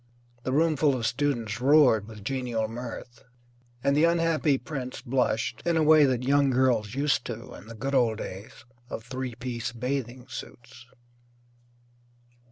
The roomful of students roared with genial mirth, and the unhappy prince blushed in a way that young girls used to in the good old days of three piece bathing suits.